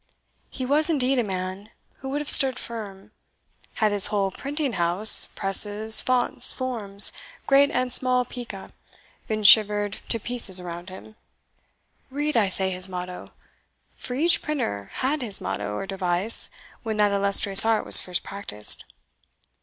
He was indeed a man who would have stood firm, had his whole printing house, presses, fonts, forms, great and small pica, been shivered to pieces around him Read, I say, his motto, for each printer had his motto, or device, when that illustrious art was first practised.